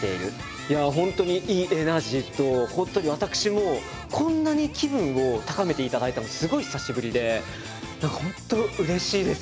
いや本当にいいエナジーと本当に私もこんなに気分を高めていただいたのすごい久しぶりで何か本当うれしいです！